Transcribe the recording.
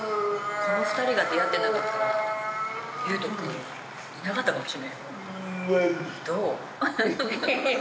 この２人が出会ってなかったら悠人くんいなかったかもしれないよどう？